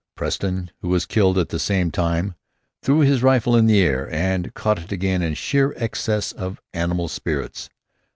Preston, who was killed at the same time, threw his rifle in the air and caught it again in sheer excess of animal spirits.